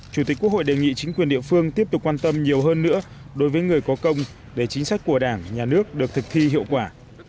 chủ tịch quốc hội đề nghị chính quyền địa phương tiếp tục quan tâm nhiều hơn nữa đối với người có công để chính sách của đảng nhà nước được thực thi hiệu quả